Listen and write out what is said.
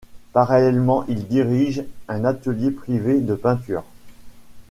Parallèlement, il dirige un atelier privé de peinture.